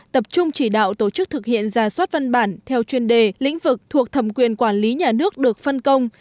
tập trung chỉ đạo tổ chức thực hiện ra soát văn bản theo chuyên đề lĩnh vực thuộc thẩm quyền quản lý nhà nước được phân công